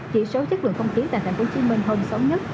chỉ số chất lượng không khí tại thành phố hồ chí minh hơn xấu nhất